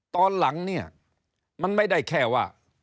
ตอนหลังมันไม่ได้แค่ว่า